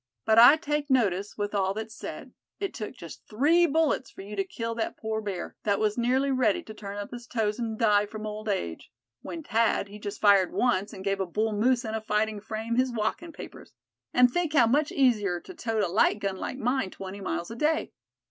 But I take notice, with all that's said, it took just three bullets for you to kill that poor bear, that was nearly ready to turn up his toes, an' die from old age; when Thad, he just fired once, and gave a bull moose in a fighting frame, his walking papers. And think how much easier to tote a light gun like mine twenty miles a day.